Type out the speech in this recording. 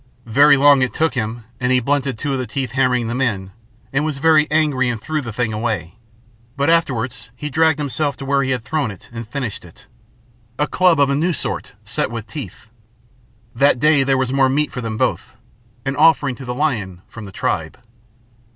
Very long it took him, and he blunted two of the teeth hammering them in, and was very angry and threw the thing away; but afterwards he dragged himself to where he had thrown it and finished it a club of a new sort set with teeth. That day there was more meat for them both, an offering to the lion from the tribe.